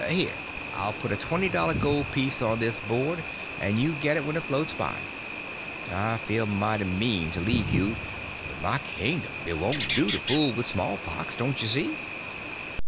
Here, I'll put a twenty dollar gold piece on this board, and you get it when it floats by. I feel mighty mean to leave you; but my kingdom! it won't do to fool with small pox, don't you see?"